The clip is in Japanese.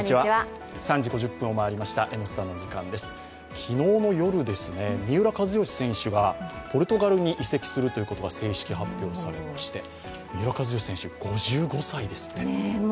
昨日の夜、三浦知良選手がポルトガルに移籍することが正式発表されまして、三浦知良選手５５歳ですって。